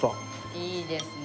いいですね。